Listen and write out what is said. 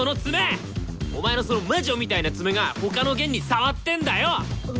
お前のその魔女みたいな爪が他の弦に触ってんだよ！